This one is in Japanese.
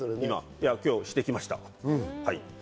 今日、してきました。